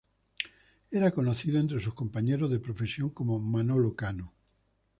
Era conocido entre sus compañeros de profesión como "Manolo Cano".